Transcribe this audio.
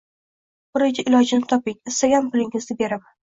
Bir ilojini toping, istagan pulingizni beraman…